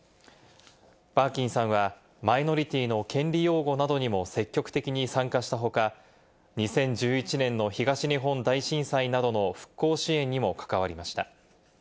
バーキンさんはマイノリティーの権利擁護などにも積極的に参加した他、２０１１年の東日本大震災などの復興支援にも関わりました。